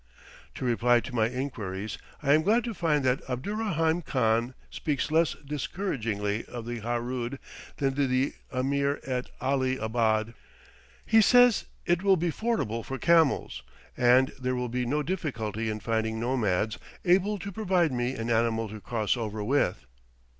In reply to my inquiries, I am glad to find that Abdurraheim Khan speaks less discouragingly of the Harood than did the Ameer at Ali abad; he says it will be fordable for camels, and there will be no difficulty in finding nomads able to provide me an animal to cross over with.